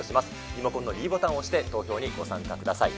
リモコンのｄボタンを押して投票にご参加ください。